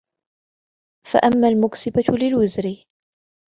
فَأَمَّا الْمُكْسِبَةُ لِلْوِزْرِ